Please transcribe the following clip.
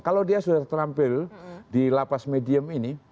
kalau dia sudah terampil di lapas medium ini